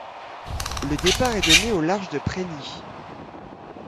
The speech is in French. Le départ est donné au large de Pregny.